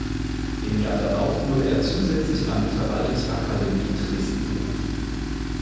Im Jahr darauf wurde er zusätzlich an die Verwaltungsakademie Dresden berufen.